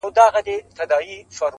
دا شعر چه سړی هر څومره اوږدواوږدوي -